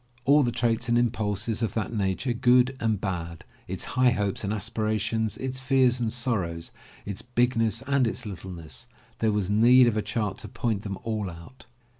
All the traits and impulses of that nature, good and bad, its high hopes and aspirations, its fears and sorrows, its bigness and its littleness, — there was need of a chart to point them all out.